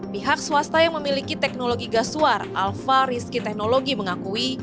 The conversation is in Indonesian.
pihak swasta yang memiliki teknologi gas suar alfa risky technology mengakui